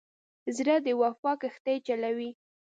زړه د وفا کښتۍ چلوي.